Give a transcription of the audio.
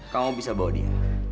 kamu bisa bawa dia